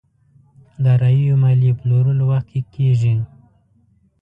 داراییو ماليې پلورلو وخت کې کېږي.